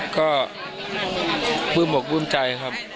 ก็บื้มบกบุญใจครับ